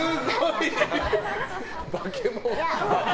化け物。